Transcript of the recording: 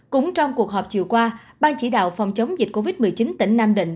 cũng trong cuộc họp chiều qua ban chỉ đạo phòng chống dịch covid một mươi chín tỉnh nam định